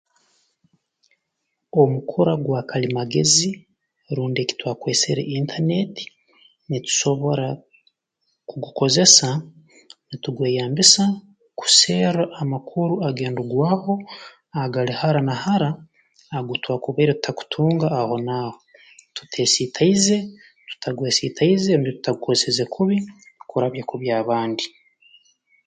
Omukura gwa kalimagezi rundi eki twakwesere internet nitusobora kugukozesa nitugweyambisa kuserra amakuru agendugwaho agali hara na hara agutwakubaire tutakutunga aho n'aho tuteesiitaize tutagwesiitaize rundi tutagukozeseze kubi kurabya kubi abandi